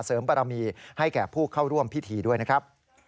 บารมีให้แก่ผู้เข้าร่วมพิธีด้วยนะครับ